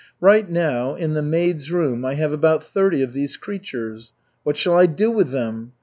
"Right now in the maids' room I have about thirty of these creatures. What shall I do with them?